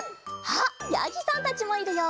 あっやぎさんたちもいるよ！